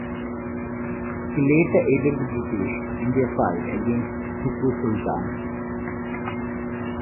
He later aided the British in their fight against Tipu Sultan.